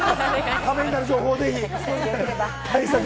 ためになる情報をぜひ！